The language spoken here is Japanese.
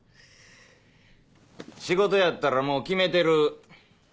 仕事やったらもう決めてる。